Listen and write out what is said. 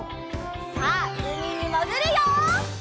さあうみにもぐるよ！